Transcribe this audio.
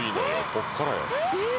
こっからよ。